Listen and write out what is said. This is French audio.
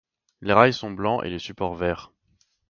Les rails sont blancs et les supports verts.